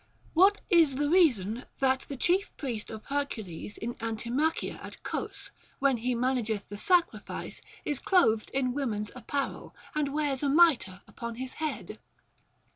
What is the reason that the chief priest of Hercules in Antimachia at Cos, when he manageth the sacrifice, is clothed in women's apparel, and wears a mitre upon his head?